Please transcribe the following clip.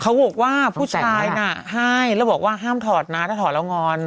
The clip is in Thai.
เขาบอกว่าผู้ชายน่ะให้แล้วบอกว่าห้ามถอดนะถ้าถอดแล้วงอน